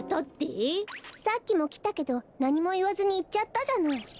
さっきもきたけどなにもいわずにいっちゃったじゃない。